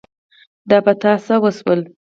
دا په تا څه وشول ؟